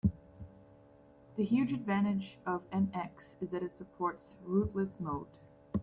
The huge advantage of NX is that it supports "rootless" mode.